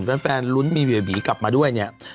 แฟนลุ้นมีเวบีกลับมาด้วยเนี่ย